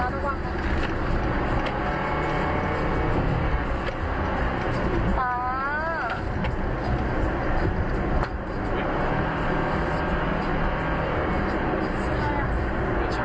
ตอนนี้ก็เปลี่ยนแบบนี้แหละ